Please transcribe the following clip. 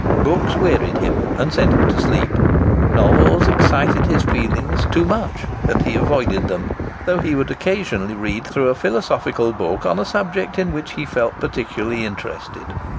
Books wearied him, and sent him to sleep. Novels excited his feelings too much, and he avoided them, though he would occasionally read through a philosophical book on a subject in which he felt particularly interested.